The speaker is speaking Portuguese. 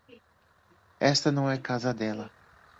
Esta não é a casa dela.